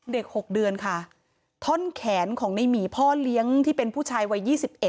๖เดือนค่ะท่อนแขนของในหมีพ่อเลี้ยงที่เป็นผู้ชายวัย๒๑